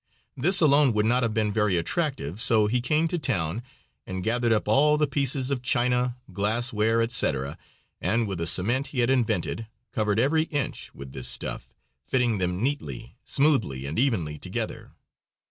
This alone would not have been very attractive, so he came to town and gathered up all the pieces of china, glassware, etc., and, with a cement he had invented, covered every inch with this stuff, fitting them neatly, smoothly and evenly together.